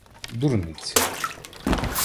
— Дурниці.